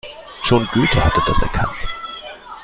Schon Goethe hatte das erkannt.